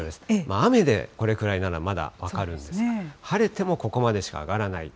雨でこれくらいなら、まだ分かるんですが、晴れてもここまでしか上がらないと。